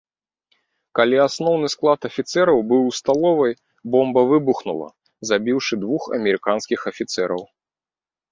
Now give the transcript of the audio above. Калі асноўны склад афіцэраў быў у сталовай, бомба выбухнула, забіўшы двух амерыканскіх афіцэраў.